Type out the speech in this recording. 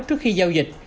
trước khi giao dịch